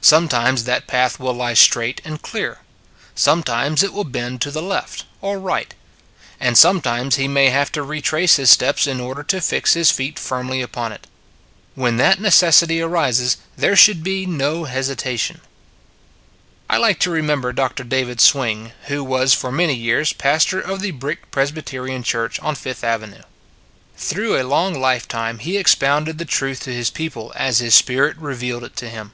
Sometimes that path will lie straight and clear; sometimes it will bend to the left or right; and sometimes he may have to retrace his steps in order to fix his feet firmly upon it. When that necessity arises, there should be no hesita tion. I like to remember Dr. David Swing, 6 It s a Good Old World who was for many years pastor of the Brick Presbyterian Church on Fifth Ave nue. Through a long lifetime he ex pounded the truth to his people as his spirit revealed it to him.